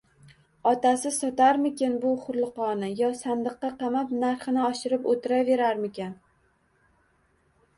«Otasi sotarmikan bu hurliqoni, yo sandiqqa qamab, narxini oshirib oʼtiraverarmikan?»